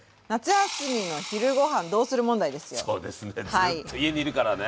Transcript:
ずっと家にいるからね。